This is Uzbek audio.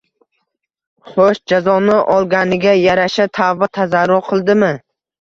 Xo`sh, jazosini olganiga yarasha tavba-tazarru qildimi